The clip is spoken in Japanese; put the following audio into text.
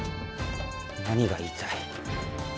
何が言いたい？